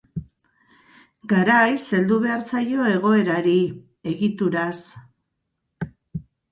Garaiz heldu behar zaio egoerari, egituraz.